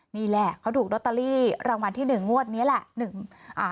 นี่แหละเขาถูกลอตเตอรี่รางวัลที่หนึ่งงวดเนี้ยแหละหนึ่งอ่า